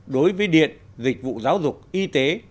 đối với điện dịch vụ giáo dục y tế